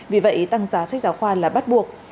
vì vậy tăng giá sách giáo khoa là bắt buộc